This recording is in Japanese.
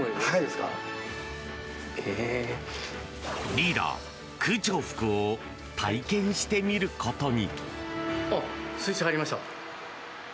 リーダー空調服を体験してみることに。